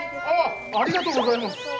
ありがとうございます。